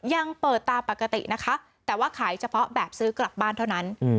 ยังเปิดตามปกตินะคะแต่ว่าขายเฉพาะแบบซื้อกลับบ้านเท่านั้น